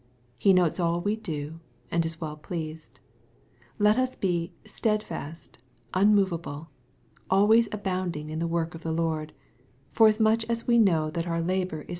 He notes all we do, and is well pleased. Let us bu (" steadfast, unmoveable, always abounding in the work of the Lord, forasmuch as we know that our labor is